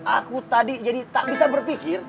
aku tadi jadi tak bisa berpikir